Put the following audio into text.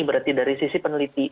berarti dari sisi peneliti